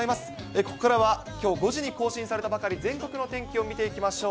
ここからは、きょう５時に更新されたばかり、全国の天気を見ていきましょう。